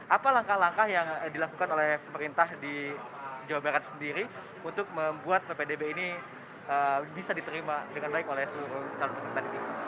apa langkah langkah yang dilakukan oleh pemerintah di jawa barat sendiri untuk membuat ppdb ini bisa diterima dengan baik oleh seluruh calon peserta didik